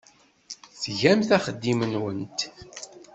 Tgamt axeddim-nwent.